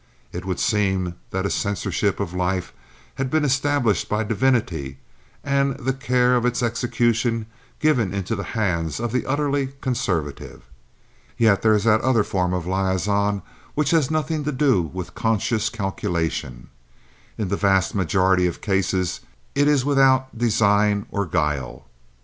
It would seem that a censorship of life had been established by divinity, and the care of its execution given into the hands of the utterly conservative. Yet there is that other form of liaison which has nothing to do with conscious calculation. In the vast majority of cases it is without design or guile.